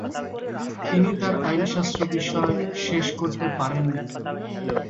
তিনি তার আইনশাস্ত্র বিষয় শেষ করতে পারেননি।